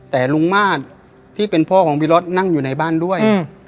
แต่ลุงมาสที่เป็นพ่อของพี่รถนั่งอยู่ในบ้านด้วย